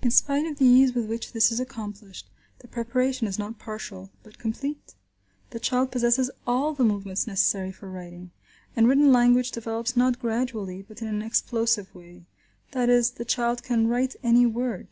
In spite of the ease with which this is accomplished, the preparation is not partial, but complete. The child possesses all the movements necessary for writing. And written language develops not gradually, but in an explosive way; that is, the child can write any word.